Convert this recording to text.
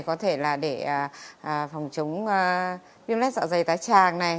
có thể là để phòng chống virus lét dạ dày tái tràng này